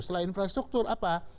setelah infrastruktur apa